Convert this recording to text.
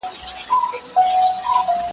د غره په لارو کې موټر په ورو ځي.